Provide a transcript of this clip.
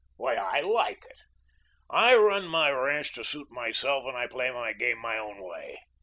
Why, I LIKE it. I run my ranch to suit myself and I play my game my own way.